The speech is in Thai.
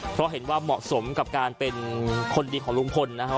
เพราะเห็นว่าเหมาะสมกับการเป็นคนดีของลุงพลนะฮะ